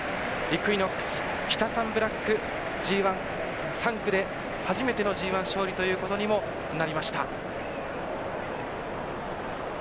イクイノックスキタサンブラックＧＩ産駒で初めてのＧＩ勝利ということにもなりました。